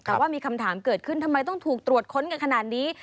แต่ว่ามีคำถามเกิดขึ้นทำไมต้องถูกตรวจค้นกันขนาดนี้